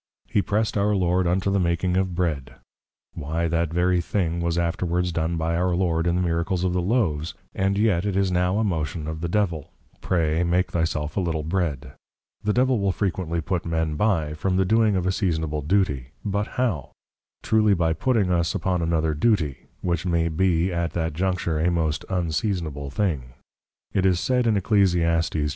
He press'd our Lord unto the making of Bread; Why, that very thing was afterwards done by our Lord, in the Miracles of the Loaves; and yet it is now a motion of the Devil, Pray, make thy self a Little Bread. The Devil will frequently put men by, from the doing of a seasonable Duty; but how? Truly by putting us upon another Duty, which may be at that juncture a most Unseasonable Thing. It is said in _Eccl. 8.